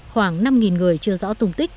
khoảng năm người chưa rõ tùng tích